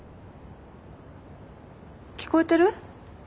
聞こえてる？